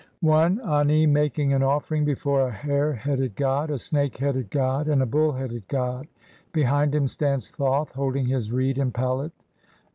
17 1 (1) Ani making an offering before a hare headed god, a snake headed god, and a bull headed god ; behind him stands Thoth, holding his reed and palette.